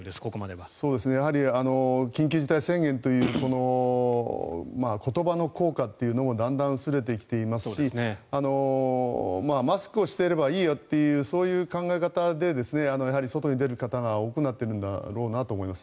やはり緊急事態宣言という言葉の効果というのもだんだん薄れてきていますしマスクをしていればいいやというそういう考えで外に出る方が多くなってるんだろうなと思います。